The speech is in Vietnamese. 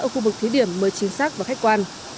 ở khu vực thí điểm mới chính xác và khách quan